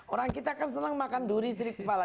orang kita kan senang makan duri sirip dan kepala